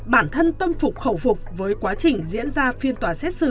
bản thân tâm phục khẩu phục với quá trình diễn ra phiên tòa xét xử